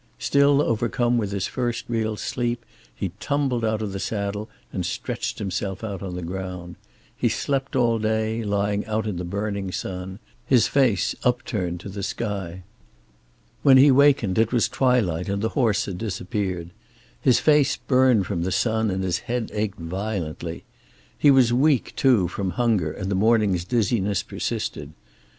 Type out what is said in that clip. Still overcome with his first real sleep he tumbled out of the saddle and stretched himself out on the ground. He slept all day, lying out in the burning sun, his face upturned to the sky. When he wakened it was twilight, and the horse had disappeared. His face burned from the sun, and his head ached violently. He was weak, too, from hunger, and the morning's dizziness persisted.